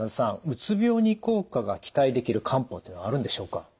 うつ病に効果が期待できる漢方というのはあるんでしょうか？